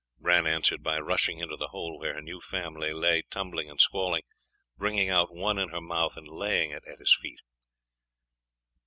Bran answered by rushing into the hole where her new family lay tumbling and squalling, bringing out one in her mouth, and laying it at his feet.